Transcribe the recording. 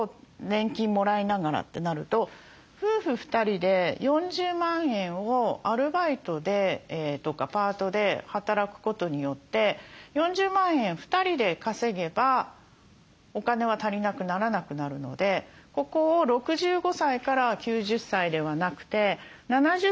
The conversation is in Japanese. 年金もらいながら」ってなると夫婦２人で４０万円をアルバイトとかパートで働くことによって４０万円２人で稼げばお金は足りなくならなくなるのでここを６５歳から９０歳ではなくて７０歳から９０歳までにできたりしますよね。